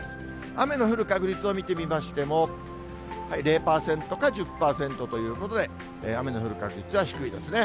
雨の降る確率を見てみましても、０％か１０％ということで、雨の降る確率は低いですね。